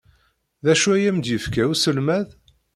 D acu ay am-d-yefka uselmad?